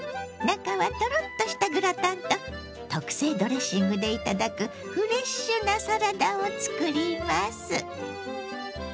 中はトロッとしたグラタンと特製ドレッシングで頂くフレッシュなサラダを作ります。